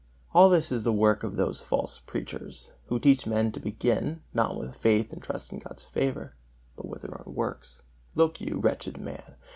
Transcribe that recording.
All this is the work of those false preachers, who teach men to begin, not with faith and trust in God's favor, but with their own works. Look you, wretched man!